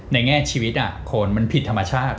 แง่ชีวิตคนมันผิดธรรมชาติ